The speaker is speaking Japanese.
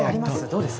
どうです？